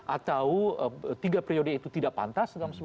atau tiga periode itu tidak pantas